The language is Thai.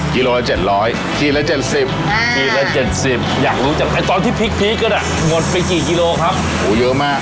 กิโลละ๗๐๐จีนละ๗๐